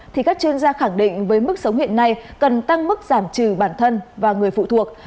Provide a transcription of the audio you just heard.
thì các chuyên gia khẳng định với mức sống hiện nay cần tăng mức giảm trừ bản thân và người phụ thuộc